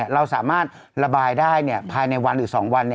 เราสามารถระบายได้ภายในวันหรือ๒วัน